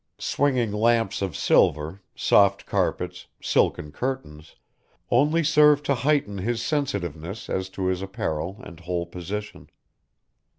Swinging lamps of silver, soft carpets, silken curtains, only served to heighten his sensitiveness as to his apparel and whole position.